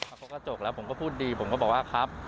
พอกระจกแล้วผมก็พูดดีผมก็บอกว่าครับ